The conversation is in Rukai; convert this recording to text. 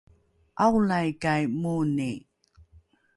’aolaikai moni?